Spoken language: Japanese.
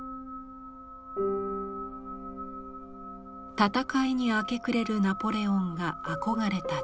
戦いに明け暮れるナポレオンが憧れた地。